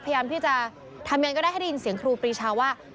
พยายามที่จะทำยังไงก็ได้ให้ได้ยินเสียงครูปรีชาว่า